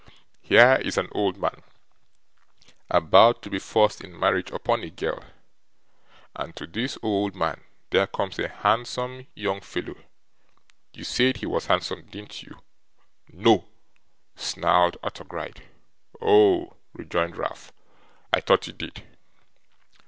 'Here is an old man about to be forced in marriage upon a girl; and to this old man there comes a handsome young fellow you said he was handsome, didn't you?' 'No!' snarled Arthur Gride. 'Oh!' rejoined Ralph, 'I thought you did.